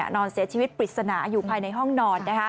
นอนเสียชีวิตปริศนาอยู่ภายในห้องนอน